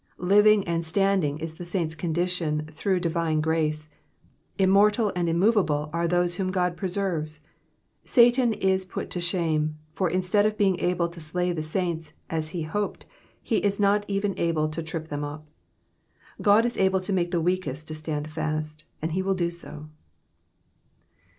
Living and standing is the saint's condition through divine grace. Immortal and immovable are those whom God preserves. Satan is put to shame, for instead of being able to slay the saints, as he hoped, he is not even able to trip them up. God is able to make the weakest to stand fast, and he will do so.